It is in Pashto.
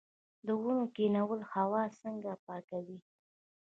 د ونو کینول هوا څنګه پاکوي؟